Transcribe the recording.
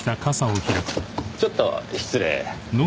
ちょっと失礼。